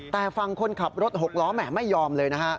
แต่ฝั่งคนขับรถหกล้อแห่ไม่ยอมเลยนะฮะ